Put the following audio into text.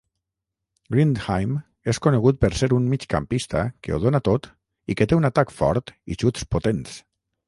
Grindheim és conegut per ser un migcampista que ho dona tot i que té un atac fort i xuts potents.